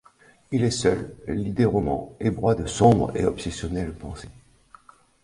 Il est seul, lit des romans et broie de sombres et obsessionnelles pensées.